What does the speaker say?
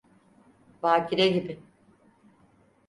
Bakire gibi…